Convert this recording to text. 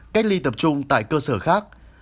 cách ly tập trung tại cơ sở khác